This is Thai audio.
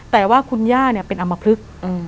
แต่ว่าคุณย่าเป็นอำมพลึก